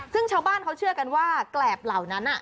ซึ่งชาวบ้านเขาเชื่อกันว่าแกรบเหล่านั้น